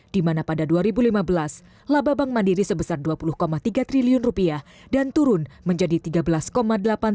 di mana pada dua ribu lima belas laba bank mandiri sebesar dua puluh tiga triliun rupiah dan turun menjadikan